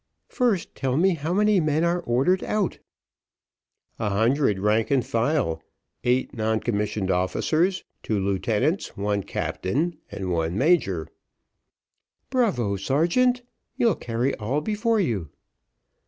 "First, tell me how many men are ordered out." "A hundred rank and file eight non commissioned officers two lieutenants one captain and one major." "Bravo, sergeant, you'll carry all before you."